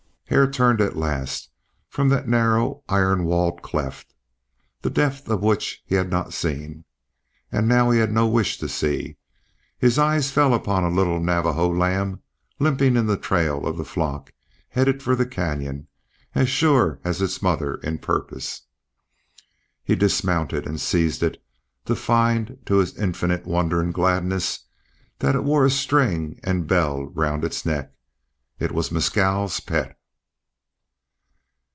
Hare turned at last from that narrow iron walled cleft, the depth of which he had not seen, and now had no wish to see; and his eyes fell upon a little Navajo lamb limping in the trail of the flock, headed for the canyon, as sure as its mother in purpose. He dismounted and seized it to find, to his infinite wonder and gladness, that it wore a string and bell round its neck. It was Mescal's pet.